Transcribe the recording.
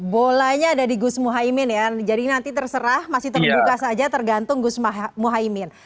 bolanya ada di gus muhaymin ya jadi nanti terserah masih terbuka saja tergantung gus muhaymin